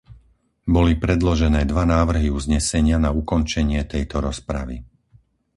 Boli predložené dva návrhy uznesenia na ukončenie tejto rozpravy.